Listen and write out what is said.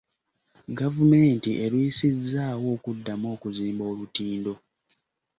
Gavumenti erwisizzaawo okuddamu okuzimba olutindo.